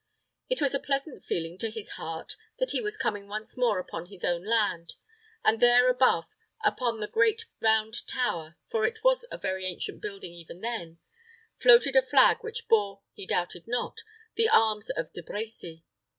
It was a pleasant feeling to his heart that he was coming once more upon his own land; and there above, upon the great round tower for it was a very ancient building even then floated a flag which bore, he doubted not, the arms of De Brecy.